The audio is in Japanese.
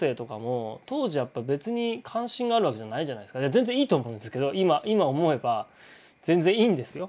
全然いいと思うんですけど今思えば全然いいんですよ